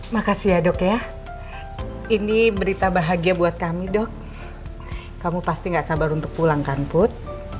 makasih ya dok ya ini berita bahagia buat kami dok kamu pasti gak sabar untuk pulang kampung